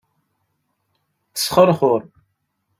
Tesxerxur.